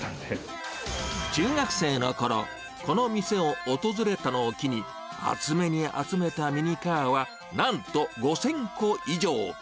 中学生のころ、この店を訪れたのを機に、集めに集めたミニカーは、なんと５０００個以上。